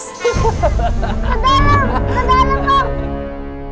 ke dalam ke dalam ke dalam